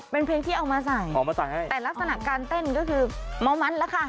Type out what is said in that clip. เป็นเพลงที่เอามาใส่แต่ลักษณะการเต้นก็คือเมามันด้วยคะ